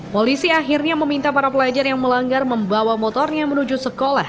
polisi akhirnya meminta para pelajar yang melanggar membawa motornya menuju sekolah